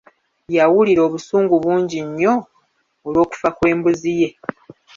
Yawulira obusungu bungi nnyo olw’okufa kw’embuzi ye.